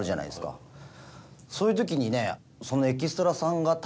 そういうときにね。